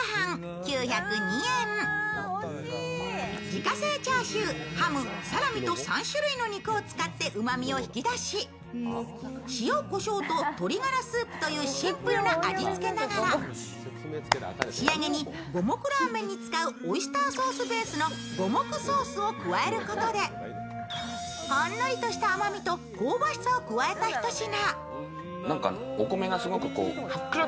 自家製チャーシュー、ハム、サラミと３種類の肉を使ってうまみを引き出し塩、こしょうと鶏ガラスープというシンプルな味付けながら仕上げに五目らーめんに使うオイスターソースベースの五目ソースを加えることでほんのりとした甘みと香ばしさを加えたひと品。